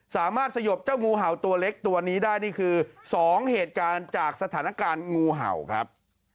สยบเจ้างูเห่าตัวเล็กตัวนี้ได้นี่คือ๒เหตุการณ์จากสถานการณ์งูเห่าครับ